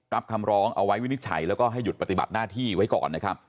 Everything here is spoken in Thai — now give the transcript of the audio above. คำร้องเอาไว้วินิจฉัยแล้วก็ให้หยุดปฏิบัติหน้าที่ไว้ก่อนนะครับ